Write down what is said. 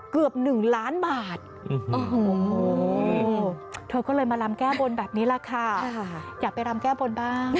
เธอก็เลยมารำแก้โบนแบบนี้แหละค่ะอยากไปรำแก้โบนบ้าง